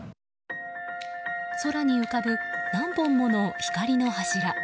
空に浮かぶ何本もの光の柱。